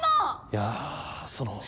いやそのう。